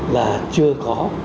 là chưa có